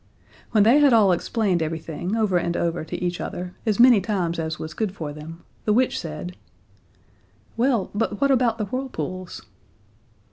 When they had all explained everything over and over to each other as many times as was good for them, the witch said: "Well, but what about the whirlpools?"